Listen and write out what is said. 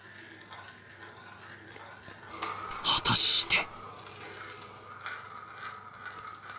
果たして。